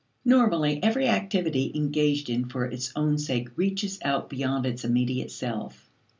Normally every activity engaged in for its own sake reaches out beyond its immediate self.